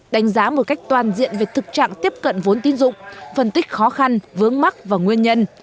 đánh giá một cách toàn diện về thực trạng tiếp cận vốn tín dụng phân tích khó khăn vướng mắt và nguyên nhân